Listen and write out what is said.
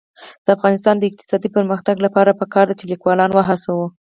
د افغانستان د اقتصادي پرمختګ لپاره پکار ده چې لیکوالان وهڅوو.